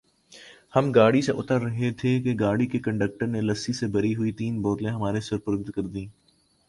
ہم گاڑی سے اتر رہے تھے کہ گاڑی کے کلنڈر نے لسی سے بھری ہوئی تین بوتلیں ہمارے سپرد کر دیں